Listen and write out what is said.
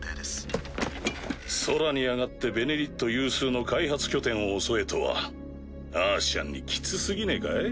宇宙に上がって「ベネリット」有数の開発拠点を襲えとはアーシアンにきつすぎねぇかい？